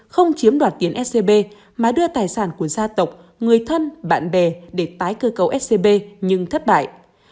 không chiếm đoạt tiền scb mà đưa tài sản của gia tộc người thân bạn bè để tái cơ cấu scb nhưng thất bại